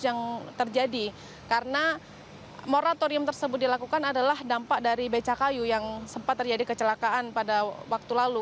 yang terjadi karena moratorium tersebut dilakukan adalah dampak dari beca kayu yang sempat terjadi kecelakaan pada waktu lalu